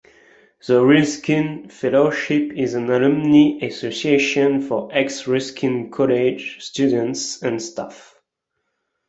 The Ruskin Fellowship is an alumni association for ex-Ruskin College students and staff.